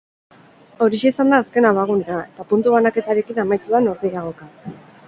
Horixe izan da azken abagunea, eta puntu banaketarekin amaitu da norgehiagoka.